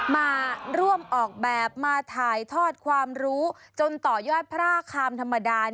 มาร่วมออกแบบมาถ่ายทอดความรู้จนต่อยอดพระคามธรรมดา